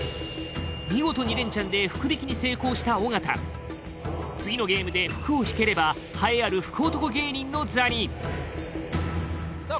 見事２連チャンで福引きに成功した尾形次のゲームで福を引ければ栄えある福男芸人の座にさあ